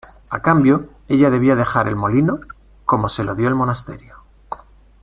A cambio ella debía dejar el molino cómo se lo dio el monasterio.